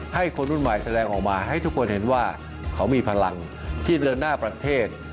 ให้คนรุ่นใหม่แสดงออกมาให้ทุกคนเห็นว่าเขามีพลังที่เดินหน้าประเทศ